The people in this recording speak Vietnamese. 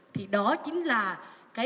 thì đó chính là cái sản xuất của chúng ta